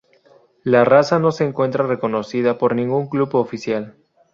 La raza no se encuentra reconocida por ningún club oficial.